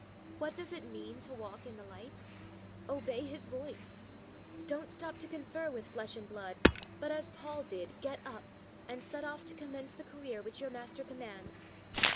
What does it mean to walk in the light? Obey His voice. Don't stop to confer with flesh and blood, but, as Paul did, get up, and set off to commence the career which your Master commands.